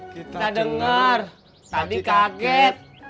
kita denger tadi kaget